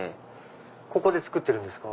ここで作ってるんですか？